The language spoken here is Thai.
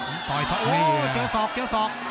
โอ้โหเจอศอกเจอศอก